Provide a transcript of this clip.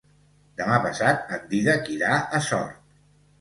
Demà passat en Dídac irà a Sort.